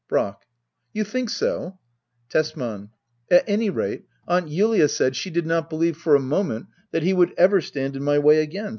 Brack. You think so ? Tesman: At any rate. Aunt Julia said she did not believe for a moment that he would ever stand in my way again.